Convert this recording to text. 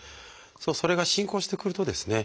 それが進行してくるとですね